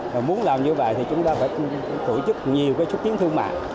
và muốn làm như vậy thì chúng ta phải tổ chức nhiều cái trúc tiến thương mại